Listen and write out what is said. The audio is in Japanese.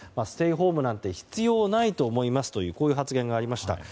ステイホームなんて必要ないと思いますとこういう発言がありました。